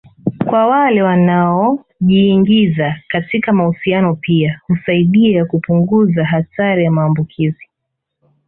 kwa wale wanaojiingiza katika mahusiano pia husaidia kupunguza hatari ya maambukizi